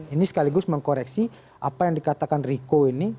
ini sekaligus mengkoreksi apa yang dikatakan riko ini